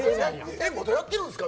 まだやってるんですか？